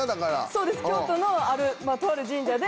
そうです京都のとある神社で。